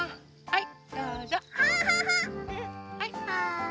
はい。